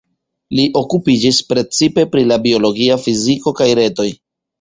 Li okupiĝis precipe pri la biologia fiziko kaj retoj.